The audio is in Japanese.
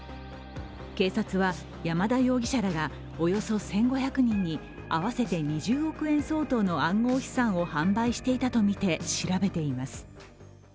警察は、山田容疑者らがおよそ１５００人に合わせて２０億円相当の暗号資産を販売していたとみて、調べています。